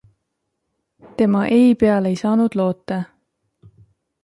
Tema ei peale ei saanud loota.